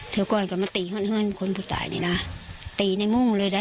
เธอก็อาจจะมาตีห้นห้นของคนผู้ตายนี่น่ะตีในมุมเลยได้